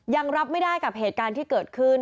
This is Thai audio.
รับไม่ได้กับเหตุการณ์ที่เกิดขึ้น